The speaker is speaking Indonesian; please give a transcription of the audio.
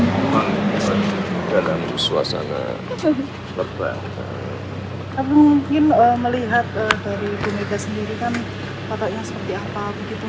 dalam suasana perbanan mungkin melihat dari dunia sendiri kan patoknya seperti apa begitu